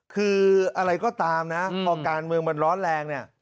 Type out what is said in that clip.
คืออะไรก็ตามนะพอการเมืองมันร้อนแรงเนี่ย